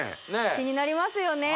気になりますよね